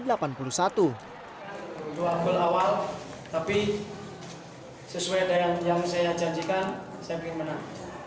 dua gol awal tapi sesuai dengan yang saya janjikan saya ingin menang